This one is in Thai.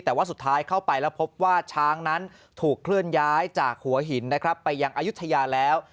แต่ว่าสุดท้ายเข้าไปแล้วพบว่าช้างนั้นถูกเคลื่อนย้ายจากหัวหินนะครับไปยังอายุทยาแล้ว